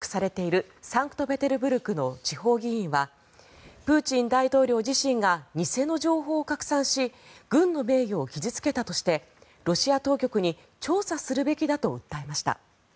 反戦姿勢が原因で国外避難を余儀なくされているサンクトペテルブルクの地方議員はプーチン大統領自身が偽の情報を拡散し軍の名誉を傷付けたとしてロシア当局に調査するべきだと訴えました。